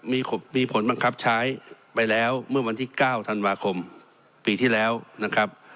มีผลบังคับใช้ไปแล้วเมื่อวันที่๙ธันวาคมปีที่แล้วนะครับ